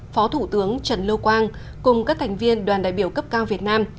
phó thủ tướng trần lưu quang cùng các thành viên đoàn đại biểu cấp cao việt nam